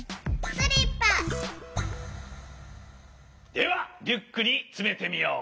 ではリュックにつめてみよう！